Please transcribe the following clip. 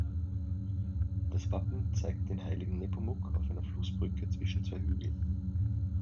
Das Wappen zeigt den heiligen Nepomuk auf einer Flussbrücke zwischen zwei Hügeln.